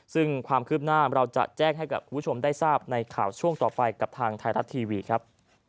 ซึ่งความคืบหน้าเราจะแจ้งให้กับคุณผู้ชมได้ทราบในข่าวช่วงต่อไปกับทางไทยรัฐทีวีครับ